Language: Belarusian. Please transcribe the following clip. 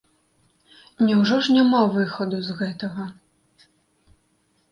Няўжо ж няма выхаду з гэтага?